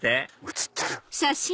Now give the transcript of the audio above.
写ってる！